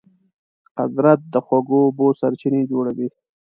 قدرت د خوږو اوبو سرچینې جوړوي.